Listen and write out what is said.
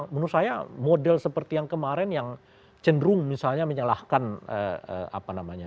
menurut saya model seperti yang kemarin yang cenderung misalnya menyalahkan apa namanya